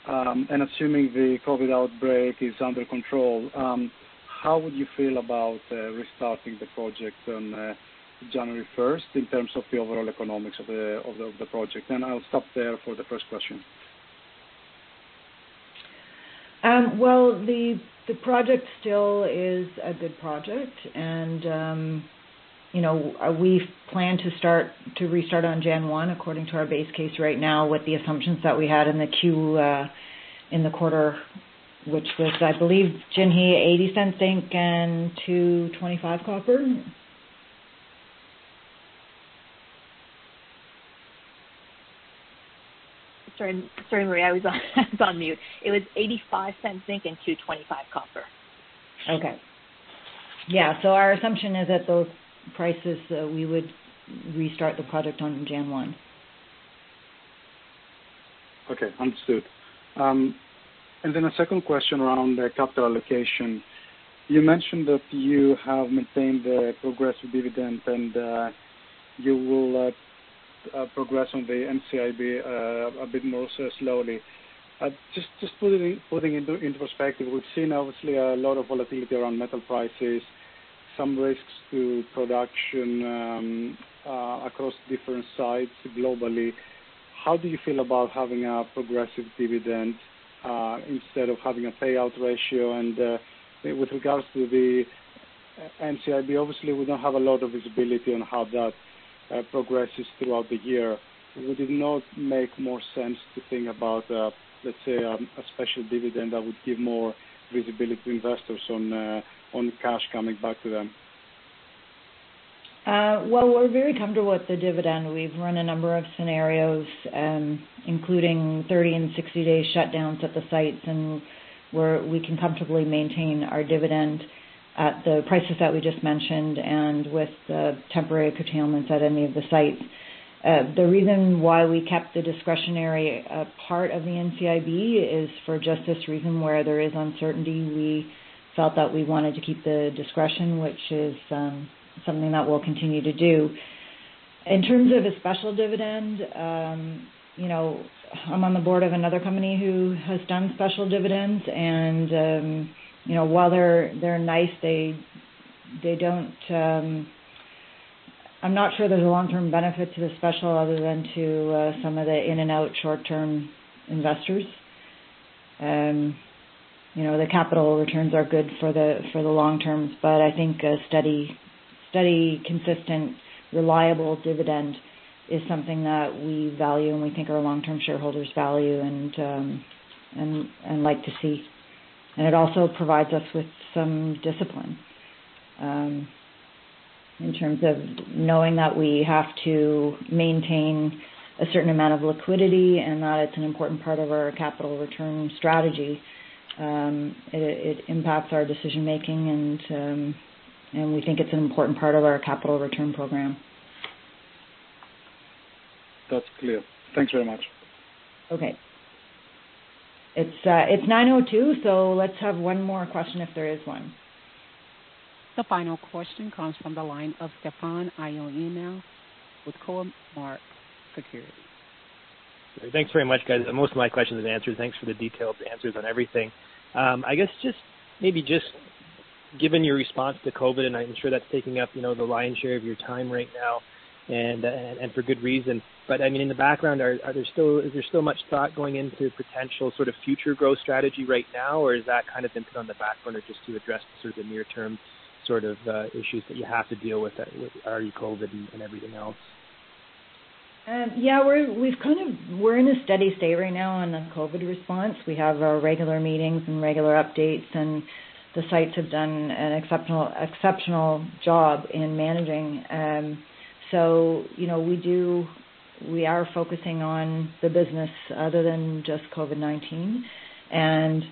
and assuming the COVID-19 outbreak is under control, how would you feel about restarting the project on January 1 in terms of the overall economics of the project? I'll stop there for the first question. The project still is a good project. We plan to restart on January 1 according to our base case right now with the assumptions that we had in the quarter, which was, I believe, Jinhee, $0.80 zinc and $2.25 copper. Sorry, Marie. I was on mute. It was $0.85 zinc and $2.25 copper. Okay. Yeah. Our assumption is at those prices, we would restart the project on January 1. Okay. Understood. A second question around the capital allocation. You mentioned that you have maintained the progressive dividend and you will progress on the NCIB a bit more slowly. Just putting into perspective, we have seen, obviously, a lot of volatility around metal prices, some risks to production across different sites globally. How do you feel about having a progressive dividend instead of having a payout ratio? With regards to the NCIB, obviously, we do not have a lot of visibility on how that progresses throughout the year. Would it not make more sense to think about, let's say, a special dividend that would give more visibility to investors on cash coming back to them? We are very comfortable with the dividend. We have run a number of scenarios, including 30 and 60-day shutdowns at the sites where we can comfortably maintain our dividend at the prices that we just mentioned and with the temporary curtailments at any of the sites. The reason why we kept the discretionary part of the NCIB is for just this reason where there is uncertainty. We felt that we wanted to keep the discretion, which is something that we will continue to do. In terms of a special dividend, I am on the board of another company who has done special dividends. While they are nice, they do not—I am not sure there is a long-term benefit to the special other than to some of the in-and-out short-term investors. The capital returns are good for the long term, but I think a steady, consistent, reliable dividend is something that we value and we think our long-term shareholders value and like to see. It also provides us with some discipline in terms of knowing that we have to maintain a certain amount of liquidity and that it's an important part of our capital return strategy. It impacts our decision-making, and we think it's an important part of our capital return program. That's clear. Thanks very much. Okay. It's 9:02, so let's have one more question if there is one. The final question comes from the line of Stefan Loannou with Cormark Securities. Thanks very much, guys. Most of my questions are answered. Thanks for the detailed answers on everything. I guess just maybe just given your response to COVID-19, and I'm sure that's taking up the lion's share of your time right now, and for good reason. I mean, in the background, is there still much thought going into potential sort of future growth strategy right now, or is that kind of been put on the back burner just to address sort of the near-term sort of issues that you have to deal with with COVID-19 and everything else? Yeah. We're in a steady state right now on the COVID-19 response. We have our regular meetings and regular updates, and the sites have done an exceptional job in managing. We are focusing on the business other than just COVID-19.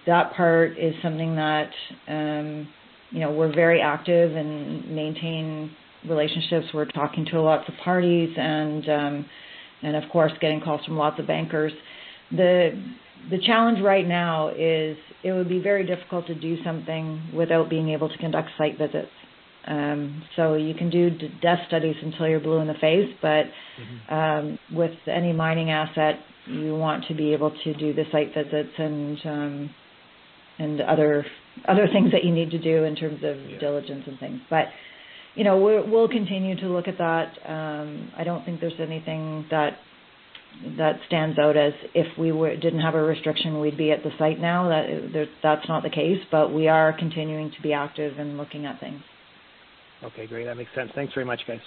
That part is something that we're very active in maintaining relationships. We're talking to lots of parties and, of course, getting calls from lots of bankers. The challenge right now is it would be very difficult to do something without being able to conduct site visits. You can do desk studies until you're blue in the face, but with any mining asset, you want to be able to do the site visits and other things that you need to do in terms of diligence and things. We'll continue to look at that. I don't think there's anything that stands out as if we didn't have a restriction, we'd be at the site now. That's not the case, but we are continuing to be active in looking at things. Okay. Great. That makes sense. Thanks very much, guys.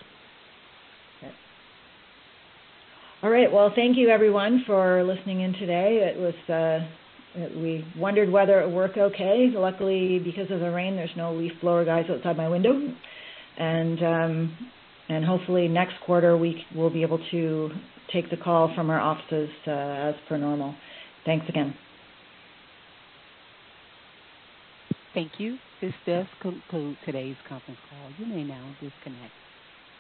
All right. Thank you, everyone, for listening in today. We wondered whether it worked okay. Luckily, because of the rain, there are no leaf blower guys outside my window. Hopefully, next quarter, we will be able to take the call from our offices as per normal. Thanks again. Thank you. This does conclude today's conference call. You may now disconnect.